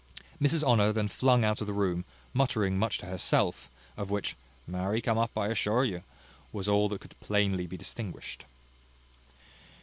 Mrs Honour then flung out of the room, muttering much to herself, of which "Marry come up, I assure you," was all that could be plainly distinguished.